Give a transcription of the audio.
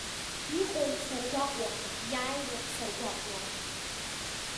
Иҟоу саргәаҟуам, иааиуа саргәаҟуам.